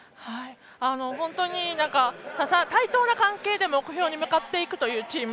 本当に、対等な関係で目標に向かっていくというチーム。